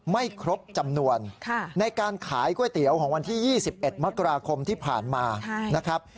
ไม่ครบจำนวนในการขายก๋วยเตี๋ยวของวันที่๒๑มกราคมที่ผ่านมานะครับ